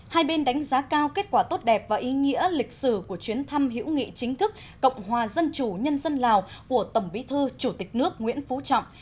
hai bên đánh giá cao kết quả tốt đẹp và ý nghĩa lịch sử của chuyến thăm hữu nghị chính thức cộng hòa dân chủ nhân dân lào của tổng bí thư chủ tịch nước nguyễn phú trọng